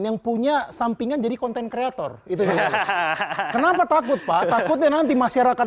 yang punya sampingan jadi content creator itu juga kenapa takut pak takutnya nanti masyarakat